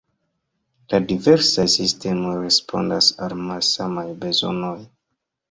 La diversaj sistemoj respondas al malsamaj bezonoj.